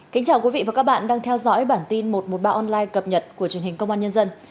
kính chào quý vị và các bạn đang theo dõi bản tin một trăm một mươi ba online cập nhật của truyền hình công an nhân dân